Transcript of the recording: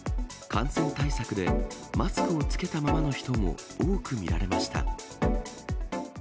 感染対策でマスクをつけたままの人も多く見られました。